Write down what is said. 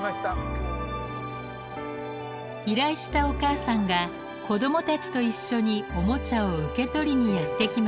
依頼したお母さんが子どもたちと一緒におもちゃを受け取りにやって来ました。